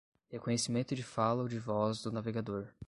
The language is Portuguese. Reconhecimento de fala ou de voz do navegador!